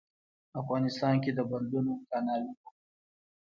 افغانستان کې د بندونو، کانالونو.